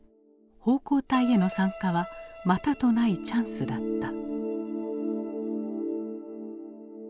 奉公隊への参加はまたとないチャンスだった。